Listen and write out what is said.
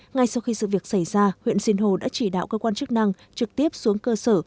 ngay sau khi sự việc xảy ra huyện sinh hồ đã chỉ đạo cơ quan chức năng trực tiếp xuống cơ sở